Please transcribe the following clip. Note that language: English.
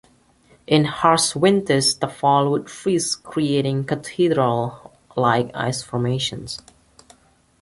In harsh winters the falls would freeze, creating cathedral-like ice formations.